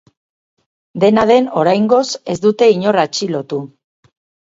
Dena den, oraingoz ez dute inor atxilotu.